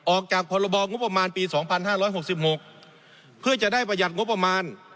ออกจากพรบงบประมาณปี๒๕๖๖เพื่อจะได้ประหยัดงบประมาณ